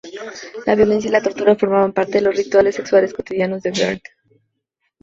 La violencia y la tortura formaban parte de los rituales sexuales cotidianos de Bernd.